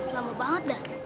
lama banget dah